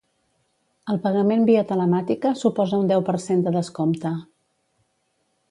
El pagament via telemàtica suposa un deu per cent de descompte.